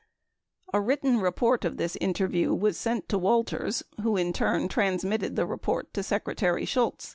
A written report of this interview was sent to Walters who in turn transmitted the report to Secretary Shultz.